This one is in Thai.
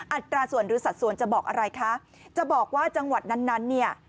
อัตราส่วนหรือสัดส่วนจะบอกอะไรคะจะบอกว่าจังหวัดนั้นนั้นเนี่ย